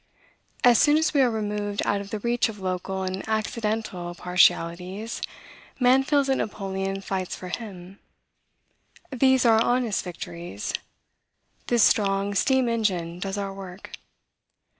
As soon as we are removed out of the reach of local and accidental partialities, man feels that Napoleon fights for him; these are honest victories; this strong steam engine does our work.